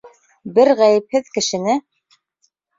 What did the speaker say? Бер ғәйепһеҙ кешене.